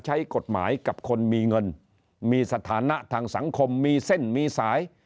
ใช้กฎหมายกับคนมีเงินมีสถานะทางสังคมมีเส้นมีสาย